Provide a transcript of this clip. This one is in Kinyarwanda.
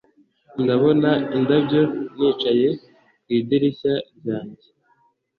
ndabona indabyo, nicaye ku idirishya ryanjye